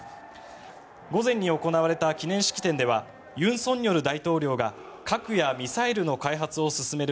午前に行われた記念式典では尹錫悦大統領が核やミサイルの開発を進める